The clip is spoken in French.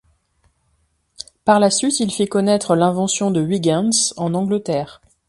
Par la suite, il fit connaître l'invention de Huygens en Angleterre.